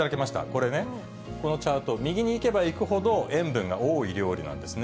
これね、このチャート、右に行けば行くほど、塩分が多い料理なんですね。